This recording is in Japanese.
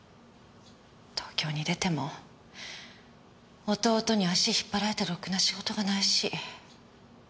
東京に出ても弟に足引っ張られてろくな仕事がないし。